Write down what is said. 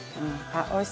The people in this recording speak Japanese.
はい。